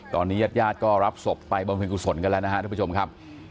ตอนนี้ญาติยาดก็รับศพไปบรรพิกุศลกันแล้วนะฮะทุกผู้ชมครับ